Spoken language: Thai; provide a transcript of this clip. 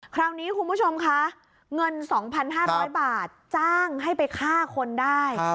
คราวนี้คุณผู้ชมคะเงิน๒๕๐๐บาทจ้างให้ไปฆ่าคนได้